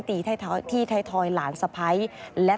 ตีท้ายทอยหลานสะพ้าย